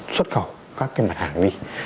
xuất khẩu các cái mạng hàng đi